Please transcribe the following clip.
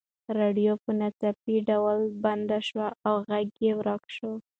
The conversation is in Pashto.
راډیو په ناڅاپي ډول بنده شوه او غږ یې ورک شو.